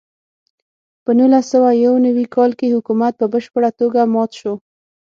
په نولس سوه یو نوي کال کې حکومت په بشپړه توګه مات شو.